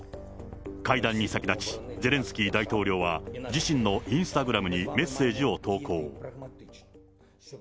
会談に先立ち、ゼレンスキー大統領は、自身のインスタグラムにメッセージを投稿。